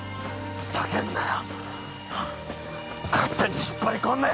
ふざけんなよ